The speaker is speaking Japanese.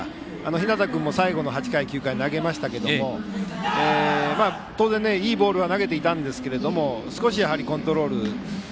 日當君も最後の８回、９回投げましたけども当然、いいボールは投げていましたが少しコントロールが悪くて。